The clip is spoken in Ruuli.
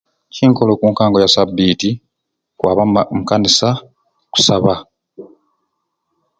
Kyenkola okunkango ya sabiti kwaba muma mukanisa kusaba.